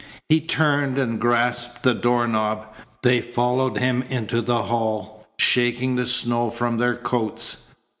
He turned, and grasped the door knob. They followed him into the hall, shaking the snow from their coats.